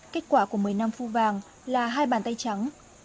kết quả của mười năm phu vàng là hai bàn tay trắng